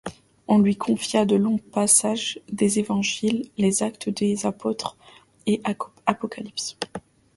On lui confia de longs passages des Évangiles, les Actes des Apôtres et l'Apocalypse.